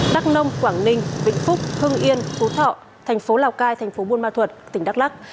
đắk nông quảng ninh vĩnh phúc hưng yên phú thọ thành phố lào cai thành phố buôn ma thuật tỉnh đắk lắc